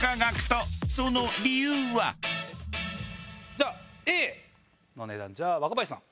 じゃあＡの値段じゃあ若林さん。